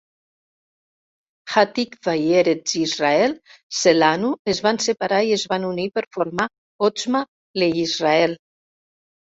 Hatikva i Eretz Yisrael Shelanu es van separar i es van unir per formar Otzma LeYisrael.